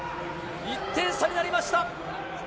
１点差になりました。